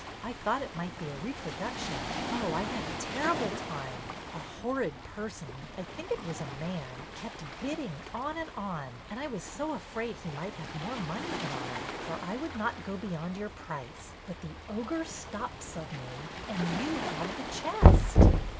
I thought it might be a reproduction. Oh, I had a terrible time ! A horrid person — I think it was a man — kept bidding on and on, and I was so afraid he might have more money than I, for I would not go beyond your price, but the ogre stopped suddenly, and you have the chest